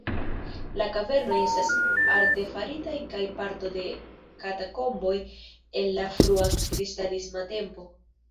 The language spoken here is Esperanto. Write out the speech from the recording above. La kavernoj estas artefaritaj kaj parto de katakomboj el la frua kristanisma tempo.